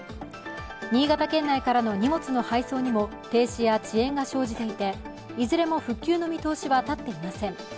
新潟県内からの荷物の発送にも停止や遅延が発生していていずれも復旧の見通しは立っていません。